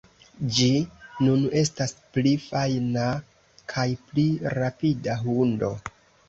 Ĝi nun estas pli fajna kaj pli rapida hundo.